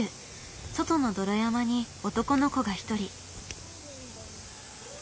外の泥山に男の子が一人。